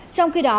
trong khi đó